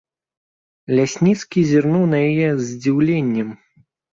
Лясніцкі зірнуў на яе з здзіўленнем.